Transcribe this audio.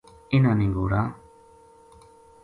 اِنھاں نے گھوڑاں